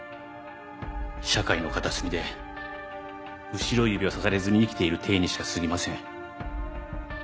社会の片隅で後ろ指を指されずに生きている体にしかすぎません。